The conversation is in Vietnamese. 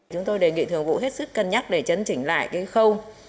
chúng tôi đề nghị thường vụ hết sức cân nhắc để chấn chỉnh lại cái khâu